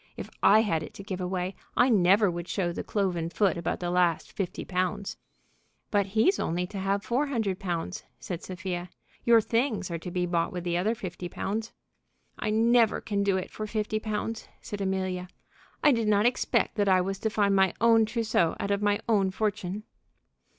If I had it to give away, I never would show the cloven foot about the last fifty pounds!" "But he's only to have four hundred pounds," said Sophia. "Your things are to be bought with the other fifty pounds." "I never can do it for fifty pounds," said Amelia. "I did not expect that I was to find my own trousseau out of my own fortune."